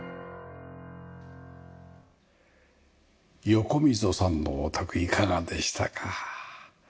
横溝さんのお宅いかがでしたか？